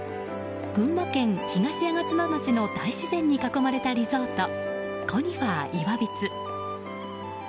群馬県東吾妻町の大自然に囲まれたリゾートコニファーいわびつ。